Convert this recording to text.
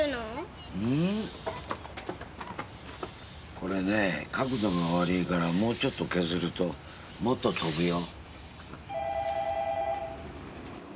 これね角度が悪いからもうちょっと削るともっと飛ぶよ。